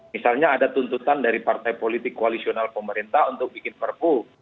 misalnya ada tuntutan dari partai politik koalisional pemerintah untuk bikin perpu